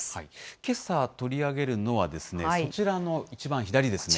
けさ取り上げるのは、そちらの一番左ですね。